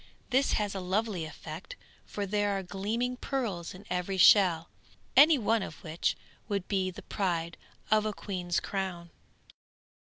This has a lovely effect, for there are gleaming pearls in every shell, any one of which would be the pride of a queen's crown.